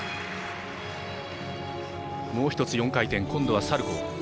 もう１つ、４回転今度はサルコー。